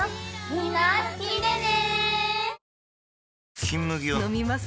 みんな聴いてね！